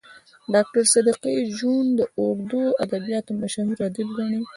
ډاکټر صدیقي جون د اردو ادبياتو مشهور ادیب ګڼي